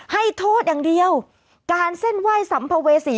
ให้โทษอย่างเดียวการเส้นไหว้สัมภเวษี